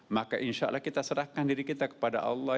maka insya allah kita serahkan diri kita kepada allah